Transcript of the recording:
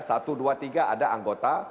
satu dua tiga ada anggota